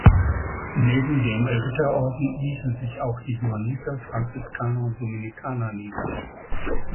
Neben dem Ritterorden ließen sich auch die Johanniter, Franziskaner und Dominikaner nieder.